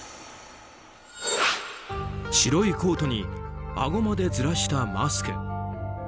白いコートにあごまでずらしたマスク。